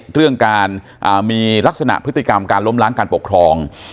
เรื่องการมีลักษณะพฤติกรรมการล้มล้างการปกครอง